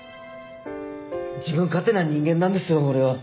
自分勝手な人間なんですよ俺は。